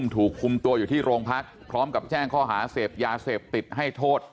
ถูกคุมตัวอยู่ที่โรงพักพร้อมกับแจ้งข้อหาเสพยาเสพติดให้โทษ